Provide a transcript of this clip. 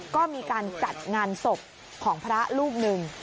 ก็มีการจัดงานศพของพระรูปหนึ่ง